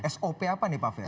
sop apa nih pak first